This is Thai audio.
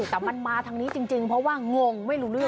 แต่มันมาทางนี้จริงเพราะว่างงไม่รู้เรื่อง